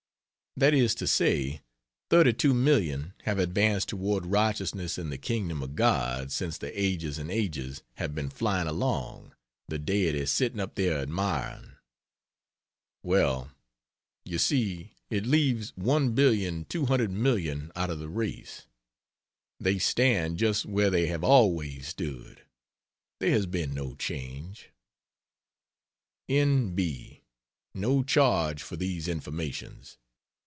That is to say, 32,000,000 have advanced toward righteousness and the Kingdom of God since the "ages and ages" have been flying along, the Deity sitting up there admiring. Well, you see it leaves 1,200,000,000 out of the race. They stand just where they have always stood; there has been no change. N. B. No charge for these informations.